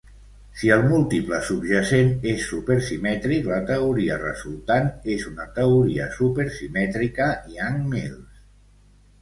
Sí el múltiple subjacent és super simètric, la teoria resultant és una teoria super simètrica Yang-Mills.